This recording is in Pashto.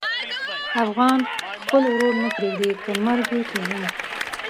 افغان خپل ورور نه پرېږدي، که مرګ وي که ژوند.